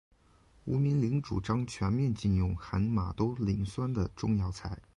吴明铃主张全面禁用含马兜铃酸的中药材。